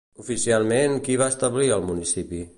Oficialment, qui va establir el municipi?